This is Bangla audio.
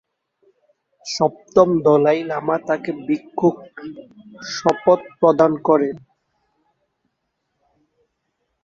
সপ্তম দলাই লামা তাকে ভিক্ষুর শপথ প্রদান করেন।